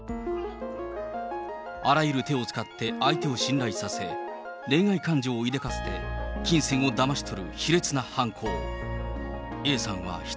あらゆる手を使って相手を信頼させ、恋愛感情を抱かせて、金銭をだまし取る卑劣な犯行。